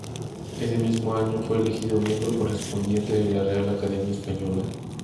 Ese mismo año fue elegido miembro correspondiente de la Real Academia Española.